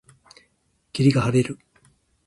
霧が晴れる。